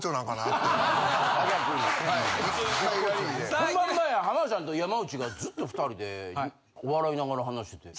本番前浜田さんと山内がずっと２人で笑いながら話してて。